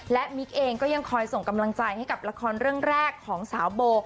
และมิ๊กเองก็ยังคอยส่งกำลังใจให้กับละครเรื่องแรกของสาวโบ